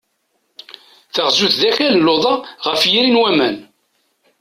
Taɣzut d akal n luḍa ɣef yiri n waman.